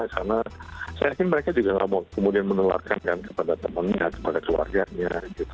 karena saya yakin mereka juga kemudian menelarkan kepada teman teman kepada keluarganya